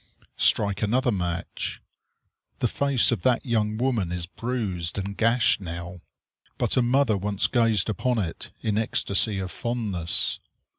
Strike another match. The face of that young woman is bruised and gashed now, but a mother once gazed upon it in ecstasy of fondness.